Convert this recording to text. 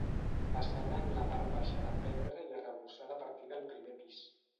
Façana amb la part baixa de pedra i arrebossada a partir del primer pis.